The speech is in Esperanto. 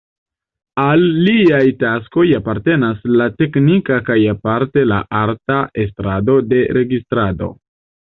Al liaj taskoj apartenas la teknika kaj aparte la arta estrado de registrado.